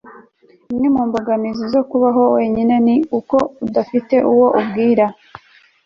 imwe mu mbogamizi zo kubaho wenyine ni uko udafite uwo ubwira